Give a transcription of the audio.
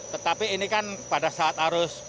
tetapi ini kan pada saat arus